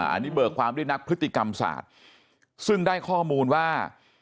อันนี้เบิกความด้วยนักพฤติกรรมศาสตร์ซึ่งได้ข้อมูลว่า